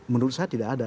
menurut saya tidak ada